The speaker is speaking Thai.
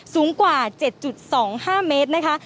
สูงกว่า๗๒๕เมตรนะคะ